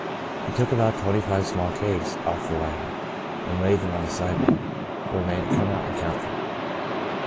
He took about twenty five small kegs off from the wagon, and laid them on the sidewalk, for a man to come out and count them.